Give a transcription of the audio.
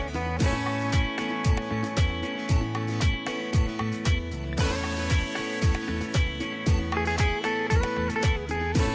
สวัสดีครับ